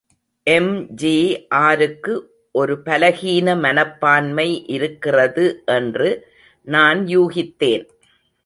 எம்.ஜி.ஆருக்கு ஒரு பலகீன மனப்பான்மை இருக்கிறது என்று நான் யூகித்தேன்.